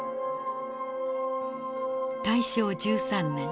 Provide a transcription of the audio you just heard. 大正１３年。